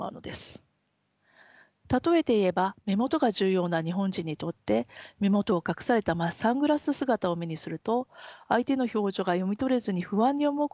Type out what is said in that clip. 例えて言えば目元が重要な日本人にとって目元を隠されたサングラス姿を目にすると相手の表情が読み取れずに不安に思うことはないでしょうか。